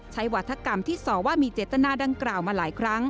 วัฒกรรมที่ส่อว่ามีเจตนาดังกล่าวมาหลายครั้ง